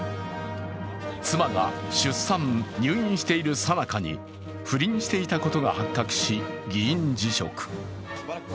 妻が出産・入院しているさなかに不倫していたことが発覚し、議員辞職。